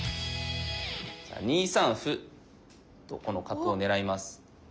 ２三歩とこの角を狙います。